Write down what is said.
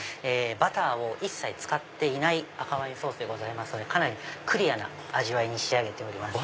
バターを一切使っていない赤ワインソースですのでクリアな味わいに仕上げてます。